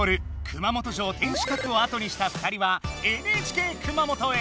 熊本城天守閣をあとにした２人はＮＨＫ熊本へ。